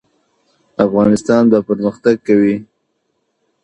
افغانستان به پرمختګ کوي؟